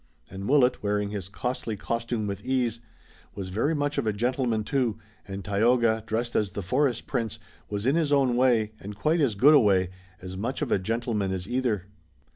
And Willet, wearing his costly costume with ease, was very much of a gentleman too, and Tayoga, dressed as the forest prince, was in his own way, and quite as good a way, as much of a gentleman as either.